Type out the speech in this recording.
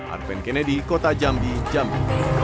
arven kennedy kota jambi jambi